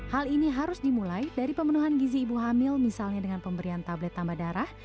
hal ini harus dimulai dari pemenuhan gizi ibu hamil misalnya dengan pemberian tablet tambah darah